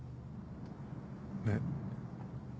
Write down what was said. えっ？